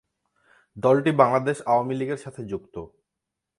দলটি বাংলাদেশ আওয়ামী লীগের সাথে যুক্ত।